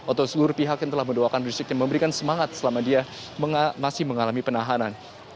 atau seluruh pihak yang telah mendoakan rizik yang memberikan semangat selama dia masih mengalami penahanan